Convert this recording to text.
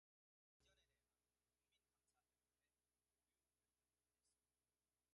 It was produced by Jay Orpin.